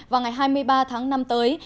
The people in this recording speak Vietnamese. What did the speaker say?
vào ngày hai mươi ba tháng năm tới